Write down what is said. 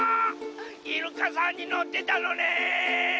イルカさんにのってたのね！